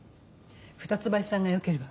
二ツ橋さんがよければ。